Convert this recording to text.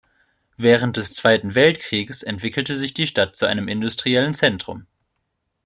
Während des Zweiten Weltkrieges entwickelte sich die Stadt zu einem industriellen Zentrum.